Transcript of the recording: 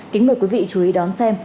kính mời quý vị chú ý đón xem